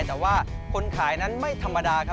แต่ว่าคนขายนั้นไม่ธรรมดาครับ